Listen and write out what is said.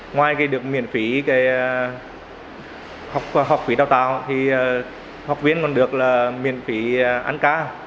ngoài được miễn phí học viên đào tạo học viên còn được miễn phí ăn cá